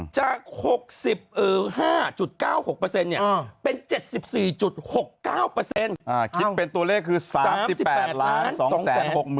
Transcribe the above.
จะ๖๕๙๖เนี่ยเป็น๗๔๖๙คิดเป็นตัวเลขคือ๓๘๒๖๘๓๗๕ค่ะ